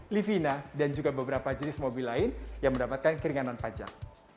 livina dan juga beberapa jenis mobil lain yang mendapatkan keringanan pajak